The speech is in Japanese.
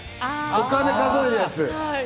お金数えるやつ。